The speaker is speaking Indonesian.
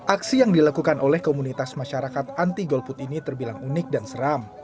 aksi yang dilakukan oleh komunitas masyarakat anti golput ini terbilang unik dan seram